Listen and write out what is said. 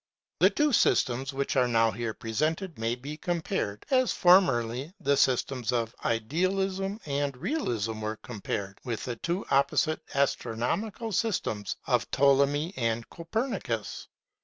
The two systems which are here presented may be compared, — as formerly the systems of Idealism and Realism were compared, — with the two opposite astronomical systems of Pto lemy and Copernicus.